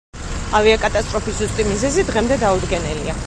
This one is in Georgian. ავიაკატასტროფის ზუსტი მიზეზი დღემდე დაუდგენელია.